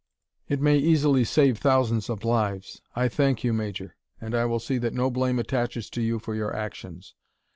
"It may easily save thousands of lives. I thank you, Major, and I will see that no blame attaches to you for your actions.